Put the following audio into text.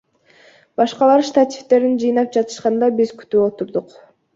Башкалар штативдерин жыйнап жатышканда, биз күтүп турдук.